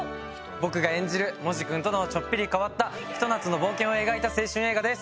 僕が演じるもじくんとのちょっぴり変わったひと夏の冒険を描いた青春映画です。